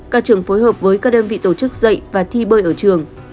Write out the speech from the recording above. các trường phối hợp với các đơn vị tổ chức dạy và thi bơi ở trường